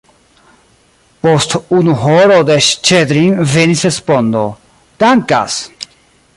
Post unu horo de Ŝĉedrin venis respondo: « Dankas!"